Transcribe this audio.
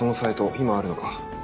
今あるのか？